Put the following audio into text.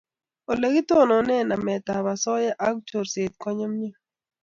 Ole kitononi namet ab asoya ak chorset ko nyunyum